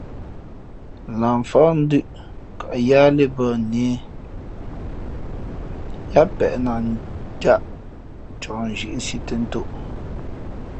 Lah mfák ndʉ̄p kαʼ yáhlēh mbα nehē yáá peʼ nah njáʼ coh nzhīʼsī tᾱ ntōʼ.